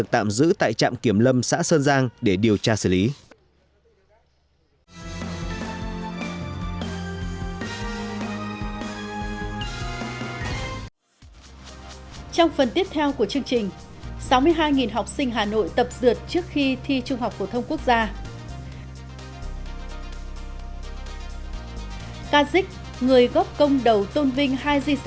hạt kiểm lâm xã sơn giang để điều tra xử lý